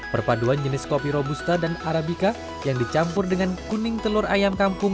perpaduan jenis kopi robusta dan arabica yang dicampur dengan kuning telur ayam kampung